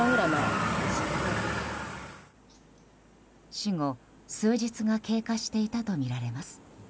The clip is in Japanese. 死後、数日が経過していたとみられます。